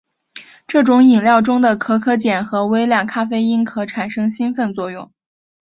这种饮料中的可可碱和微量咖啡因可产生兴奋作用。